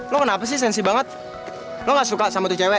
lo kenapa sih sensi banget lo gak suka sama tcw